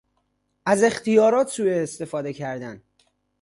از اختیارات سوء استفاده کردن